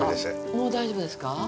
もう大丈夫ですか。